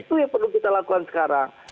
itu yang perlu kita lakukan sekarang